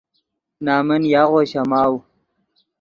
نَمن یاغو شَماؤ